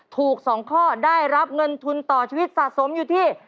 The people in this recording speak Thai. ถูก๒ข้อได้รับเงินทุนต่อชีวิตสะสมอยู่ที่